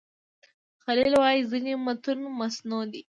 خلیل وايي ځینې متون مصنوعي دي.